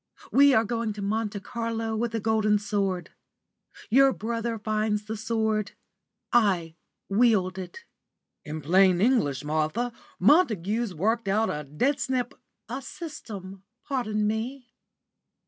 We are going to Monte Carlo with a golden sword. Your brother finds the sword I wield it." "In plain English, Martha, Montague's worked out a dead snip " "A system, pardon me."